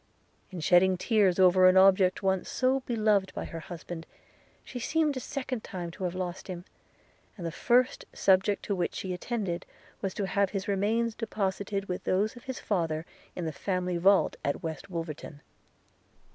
– In shedding tears over an object once so beloved by her husband, she seemed a second time to have lost him; and the first subject to which she attended, was to have his remains deposited with those of his father, in the family vault at West Wolverton.